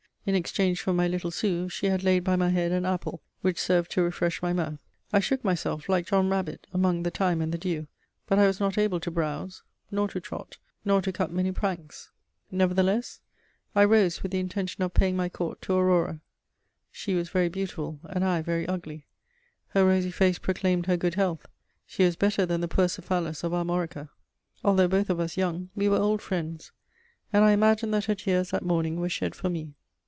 In exchange for my "little sou," she had laid by my head an apple which served to refresh my mouth. I shook myself, like John Rabbit, among the "thyme" and the "dew"; but I was not able to "browse," nor to "trot," nor to cut many "pranks." Nevertheless, I rose with the intention of "paying my court to Aurora:" she was very beautiful and I very ugly; her rosy face proclaimed her good health; she was better than the poor Cephalus of Armorica. Although both of us young, we were old friends, and I imagined that her tears that morning were shed for me.